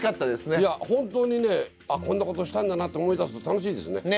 いや本当にねこんなことしたんだなって思い出すと楽しいですね。ね！